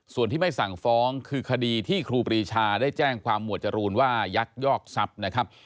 ส่วนที่ไม่สั่งฟ้องคือคดีที่ครูปรีชาได้แจ้งความหมวดจรูนว่ายักยอกทรัพย์นะครับ